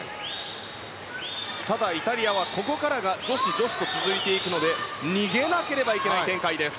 ただ、イタリアはここから女子、女子と続くので逃げなければいけない展開です。